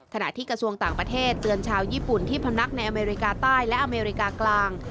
ขณะที่กระทรวงต่างประเทศเตือนชาวญี่ปุ่นที่พำนักในอเมริกาใต้และอเมริกากลาง